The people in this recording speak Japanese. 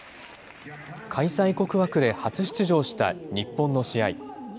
開催国枠で初出場した日本の試合。